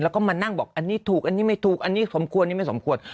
แล้วก็มานั่งบอกอันนี้ถูกอันนี้ไม่ถูกอันนี้สมควรอันนี้ไม่สมควร